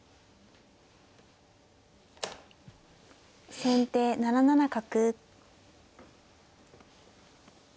先手７七角。